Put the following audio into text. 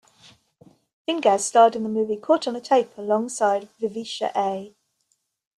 Fingaz starred in the movie "Caught On Tape" alongside Vivica A.